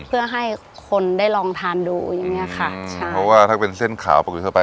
เพื่อให้คนได้ลองทานดูอย่างเงี้ยค่ะใช่เพราะว่าถ้าเป็นเส้นขาวปกติทั่วไป